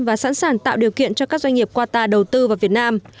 và sẵn sàng tạo điều kiện cho các doanh nghiệp qua ta đầu tư vào việt nam